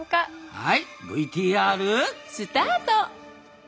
はいＶＴＲ。スタート！